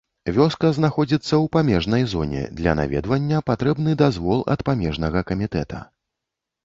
Вёска знаходзіцца ў памежнай зоне, для наведвання патрэбны дазвол ад памежнага камітэта.